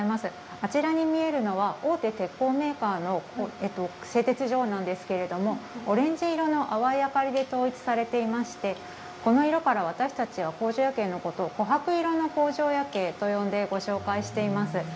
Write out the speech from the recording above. あちらに見えるのは大手鉄鋼メーカーの製鉄所なんですけれどもオレンジ色の淡い明かりで統一されていて、この色から私たちは工場夜景のことをこはく色の工場夜景と呼んで紹介しています。